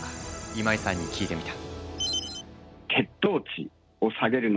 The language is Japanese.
今井さんに聞いてみた。